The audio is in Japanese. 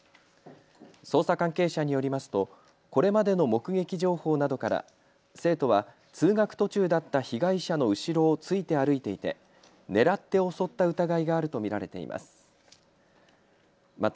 捜査関係者によりますとこれまでの目撃情報などから生徒は通学途中だった被害者の後ろをついて歩いていて狙って襲った疑いがあると見られています。